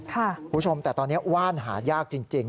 คุณผู้ชมแต่ตอนนี้ว่านหายากจริง